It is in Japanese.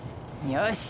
よし！